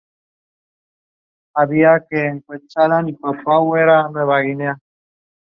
Harían una gran planta ornamental si fueran capaces de sobrevivir en otros lugares.